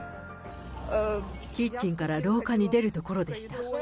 キッチンから廊下に出るところでした。